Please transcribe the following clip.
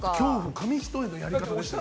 紙一重のやり方でした。